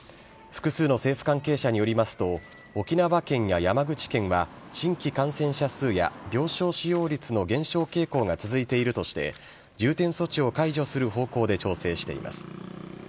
複数の政府関係者によりますと、沖縄県や山口県は、新規感染者数や病床使用率の減少傾向が続いているとして、重点措置を解除する方向で調整しています。